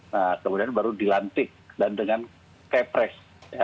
nah kemudian baru dilantik dan dengan kepres